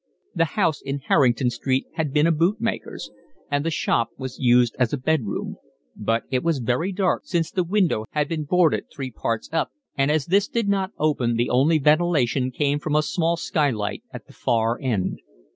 The house in Harrington Street had been a bootmaker's; and the shop was used as a bed room; but it was very dark, since the window had been boarded three parts up, and as this did not open the only ventilation came from a small skylight at the far end.